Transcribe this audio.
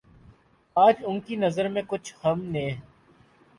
آج ان کی نظر میں کچھ ہم نے